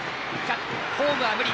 ホームは無理。